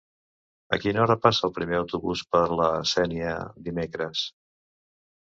A quina hora passa el primer autobús per la Sénia dimecres?